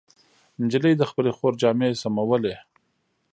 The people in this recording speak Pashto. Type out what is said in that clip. نجلۍ د خپلې خور جامې سمولې.